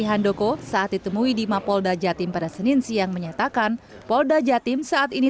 handoko saat ditemui di mapolda jatim pada senin siang menyatakan polda jatim saat ini